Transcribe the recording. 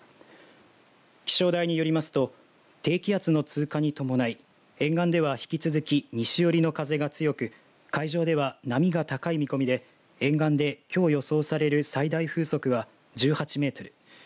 気象台によりますと低気圧の通過に伴い沿岸では引き続き西寄りの風が強く海上では波が高い見込みで沿岸で、きょう予想される最大風速は１８メートル